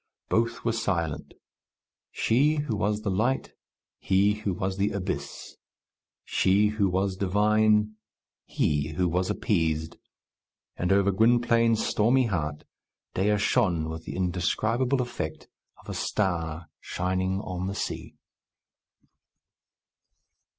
Both were silent she, who was the light; he, who was the abyss; she, who was divine; he, who was appeased; and over Gwynplaine's stormy heart Dea shone with the indescribable effect of a star shining on the sea.